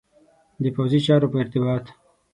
د پوځي چارو په ارتباط.